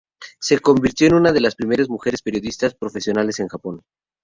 Se convirtió en una de las primeras mujeres periodistas profesionales en Japón.